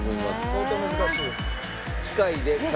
相当難しい。